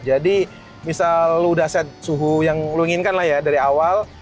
jadi misal lo udah set suhu yang lo inginkan lah ya dari awal